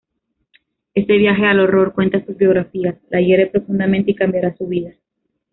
Ese viaje al horror, cuentan sus biografías, la hiere profundamente y cambiará su vida.